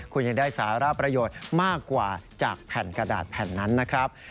คุณยังได้สารประโยชน์มากกว่าจากแผ่นกระดาษแผ่นนั้นนะครับ